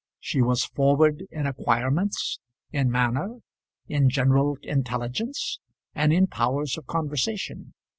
She was forward in acquirements, in manner, in general intelligence, and in powers of conversation.